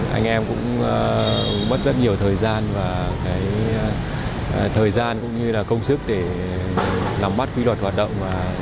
anh em cũng mất rất nhiều thời gian và cái thời gian cũng như là công sức để nắm bắt quy luật hoạt động